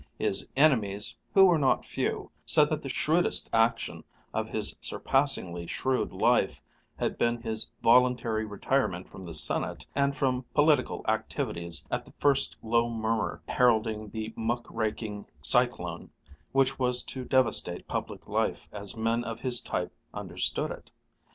His enemies, who were not few, said that the shrewdest action of his surpassingly shrewd life had been his voluntary retirement from the Senate and from political activities at the first low murmur heralding the muck raking cyclone which was to devastate public life as men of his type understood it.